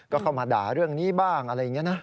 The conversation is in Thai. ก็เข้ามาด่าเรื่องนี้บ้างอะไรอย่างนี้นะ